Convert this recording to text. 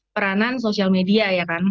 peranan sosial media